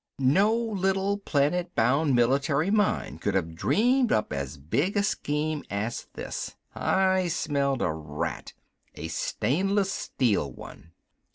No little planet bound political mind could have dreamed up as big a scheme as this. I smelled a rat a stainless steel one.